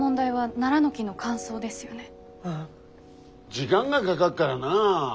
時間がかがっからなぁ。